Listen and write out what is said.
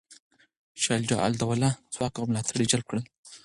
شجاع الدوله ځواک او ملاتړي جلب کړل.